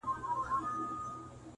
کيسه په کابل کي ولوستل سوه-